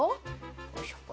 よいしょ。